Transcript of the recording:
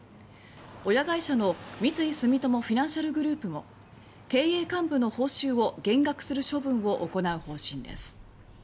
親会社の三井住友フィナンシャルグループも経営幹部の報酬を減額する処分を行う方針です。